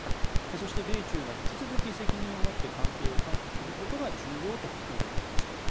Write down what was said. そして米中が引き続き責任を持って関係を管理することが重要と述べていました。